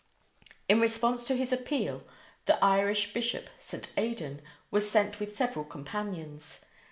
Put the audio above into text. In response to his appeal, the Irish bishop, St. Aidan, was sent with several companions.